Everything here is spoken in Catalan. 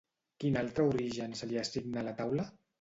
Quin altre origen se li assigna a la Taula?